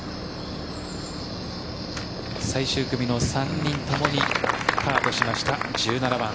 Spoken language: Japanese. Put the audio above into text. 最終組の３人ともにパーとしました、１７番。